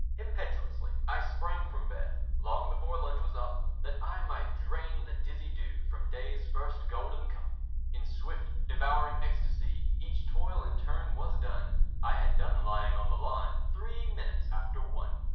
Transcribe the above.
Impetuously I sprang from bed, Long before lunch was up, That I might drain the dizzy dew From day's first golden cup. In swift devouring ecstacy Each toil in turn was done; I had done lying on the lawn Three minutes after one.